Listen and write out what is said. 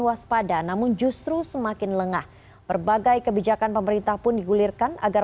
waspada namun justru semakin lengah berbagai kebijakan pemerintah pun digulirkan agar